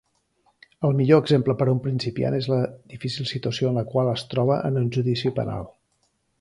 El millor exemple per a un principiant és la difícil situació en la qual es troba en un judici penal.